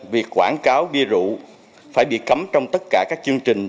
việc quảng cáo bia rượu phải bị cấm trong tất cả các chương trình